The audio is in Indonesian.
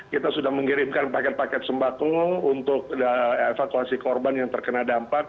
kita sudah mengirimkan paket paket sembako untuk evakuasi korban yang terkena dampak